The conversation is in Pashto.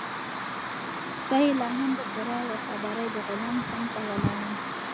سپی لا هم په پوره وفادارۍ د غلام څنګ ته ولاړ و.